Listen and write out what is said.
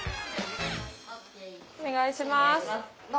お願いします。